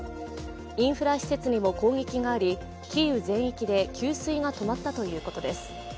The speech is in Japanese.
インフラ施設にも攻撃がありキーウ全体で給水が止まったということです。